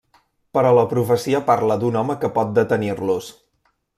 Però la profecia parla d'un home que pot detenir-los.